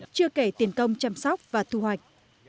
chưa kể tiền công chăm sóc và thu hoạch